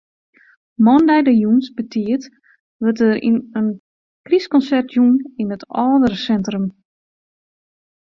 Moandei de jûns betiid wurdt der in krystkonsert jûn yn it âldereinsintrum.